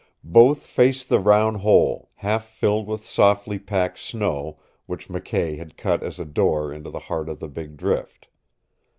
Both faced the round hole, half filled with softly packed snow, which McKay had cut as a door into the heart of the big drift.